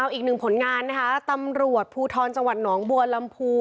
อีกหนึ่งผลงานนะคะตำรวจภูทรจังหวัดหนองบัวลำพู